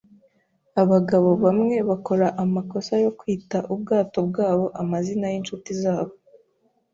Abagabo bamwe bakora amakosa yo kwita ubwato bwabo amazina yinshuti zabo.